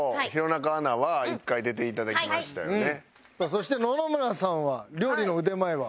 そして野々村さんは料理の腕前は？